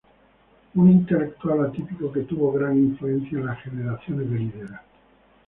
Un intelectual atípico que tuvo gran influencia en las generaciones venideras.